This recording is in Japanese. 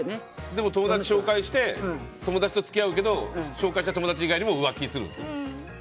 でも、友達紹介して友達と付き合うけど紹介した友達以外にも浮気するんですよ。